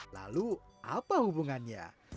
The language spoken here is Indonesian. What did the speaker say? lalu apa hubungannya